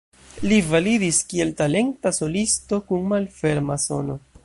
Li validis kiel talenta solisto kun malferma sono.